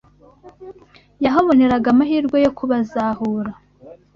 yahaboneraga amahirwe yo kubazahura